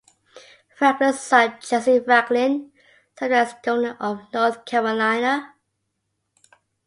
Franklin's son Jesse Franklin served as governor of North Carolina.